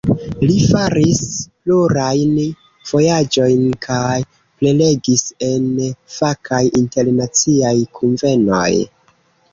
Li faris plurajn vojaĝojn kaj prelegis en fakaj internaciaj kunvenoj.